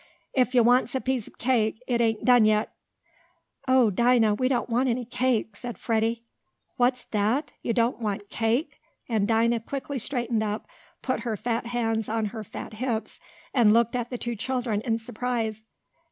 "Ef yo' wants a piece ob cake, it ain't done yit!" "Oh, Dinah! We don't want any cake!" said Freddie. "What's dat? Yo' don't want cake?" and Dinah quickly straightened up, put her fat hands on her fat hips, and looked at the two children in surprise.